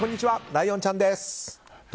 ライオンちゃんです。